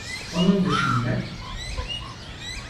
Onun dışında.